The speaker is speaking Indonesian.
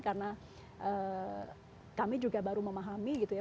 karena kami juga baru memahami gitu ya